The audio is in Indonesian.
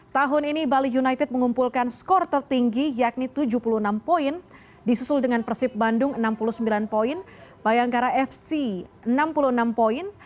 tahun ini bali united mengumpulkan skor tertinggi yakni tujuh puluh enam poin disusul dengan persib bandung enam puluh sembilan poin bayangkara fc enam puluh enam poin